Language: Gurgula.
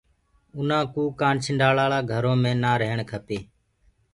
اُنآ ڪوُ ڪآنڇنڊآݪآ ݪآ گھرو مي نآ رهيڻ کپي۔